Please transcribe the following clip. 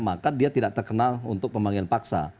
maka dia tidak terkenal untuk pemanggilan paksa